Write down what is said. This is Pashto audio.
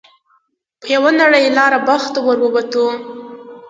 په یوه نرۍ لاره باغ ته ور ووتو.